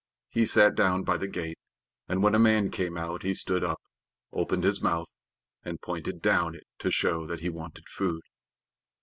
He sat down by the gate, and when a man came out he stood up, opened his mouth, and pointed down it to show that he wanted food.